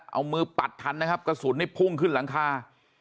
เอามือปัดทันนะครับกระสุนนี่พุ่งขึ้นหลังคา